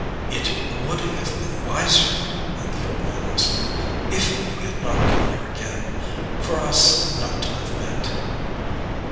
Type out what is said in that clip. "It would have been wiser," the old man whispered, "if you had not come here again for us not to have met."